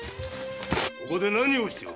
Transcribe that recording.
ここで何をしておる？